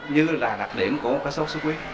như là đặc điểm của một cái sốt xuất huyết